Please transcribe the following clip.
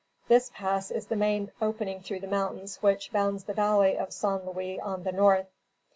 This pass is the main opening through the mountains which bound the valley of San Luis on the north.